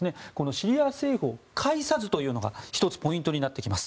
シリア政府を介さずというのが１つポイントになってきます。